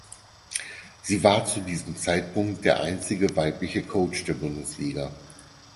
Sie war zu diesem Zeitpunkt der einzige weibliche Coach der Bundesliga.